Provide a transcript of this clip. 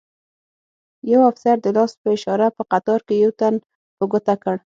یو افسر د لاس په اشاره په قطار کې یو تن په ګوته کړ.